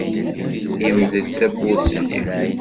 Yemdel tawwurt-nni.